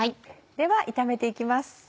では炒めて行きます。